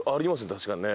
確かにね。